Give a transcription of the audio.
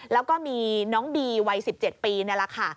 แล้วก็มีน้องบีวัย๑๗ปีนี่แหละค่ะ